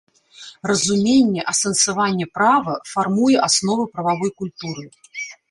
Разуменне, асэнсаванне права фармуе асновы прававой культуры.